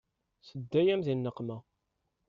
Tedda-yam di nneqma.